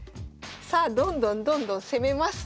さあどんどんどんどん攻めます。